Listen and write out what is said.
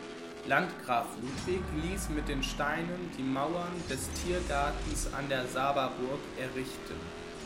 Landgraf Ludwig ließ mit den Steinen die Mauern des Tiergartens an der Sababurg errichten.